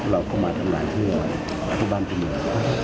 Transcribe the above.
เราเข้ามาทำงานเพื่อผู้บ้านที่เมือง